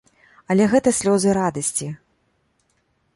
Але гэта слёзы радасці.